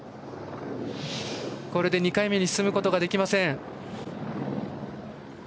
２回目に進むことができません。